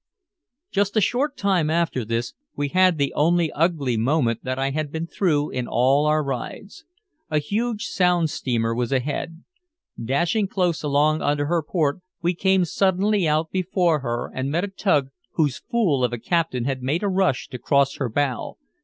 Just a short time after this, we had the only ugly moment that I had been through in all our rides. A huge Sound steamer was ahead. Dashing close along under her port, we came suddenly out before her and met a tug whose fool of a captain had made a rush to cross her bow.